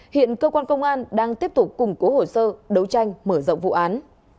hiện cơ quan công an đang tiếp tục củng cố hồ sơ đấu tranh mở rộng vụ án